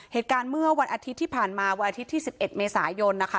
เหตุการณ์เมื่อวันอาทิตย์ที่ผ่านมาวันอาทิตย์ที่๑๑เมษายนนะคะ